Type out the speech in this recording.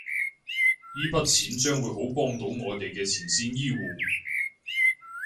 依筆錢將會好幫到我哋嘅前線醫護